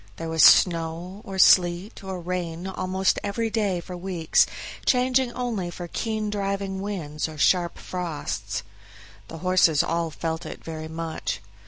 There was snow, or sleet, or rain almost every day for weeks, changing only for keen driving winds or sharp frosts. The horses all felt it very much.